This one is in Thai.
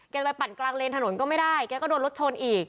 จะไปปั่นกลางเลนถนนก็ไม่ได้แกก็โดนรถชนอีก